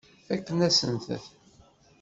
Fakken-asent-t.